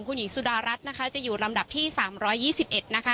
คุณหญิงสุดารัฐนะคะจะอยู่ลำดับที่๓๒๑นะคะ